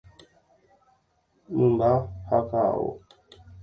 Mymba ha ka'avo.